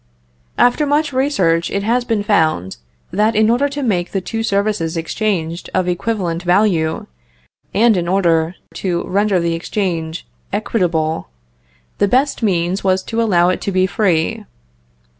After much research it has been found, that in order to make the two services exchanged of equivalent value, and in order to render the exchange equitable, the best means was to allow it to be free.